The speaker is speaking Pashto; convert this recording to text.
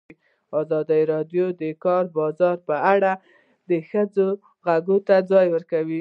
ازادي راډیو د د کار بازار په اړه د ښځو غږ ته ځای ورکړی.